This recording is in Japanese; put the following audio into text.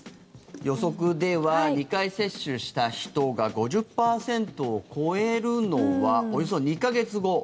予測では２回接種した人が５０％を超えるのはおよそ２か月後。